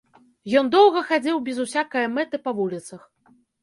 Ён доўга хадзіў без усякае мэты па вуліцах.